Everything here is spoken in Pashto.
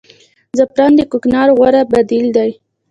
زعفران د کوکنارو غوره بدیل دی